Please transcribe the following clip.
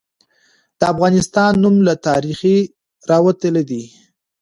د افغانستان نوم له تاریخه راوتلي ده.